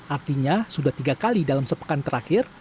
artinya sudah tiga kali dalam sepekan terakhir